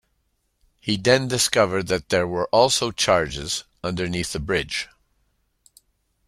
He then discovered that there were also charges underneath the bridge.